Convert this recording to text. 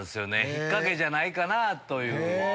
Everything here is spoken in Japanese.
引っ掛けじゃないかなぁという。